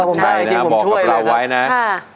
เดินจริงบอกกับเราไว้นะใช่